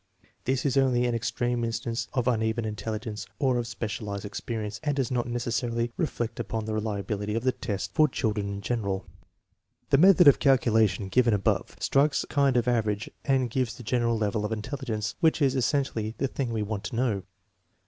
This is only an extreme instance of uneven intelligence or of specialized experience, and does not neces sarily reflect upon the reliability of the tests for children in general. The method of calculation given above strikes INSTRUCTIONS FOB, USING 135 a kind of average and gives the general level of intelligence, which is essentially the thing we want to know.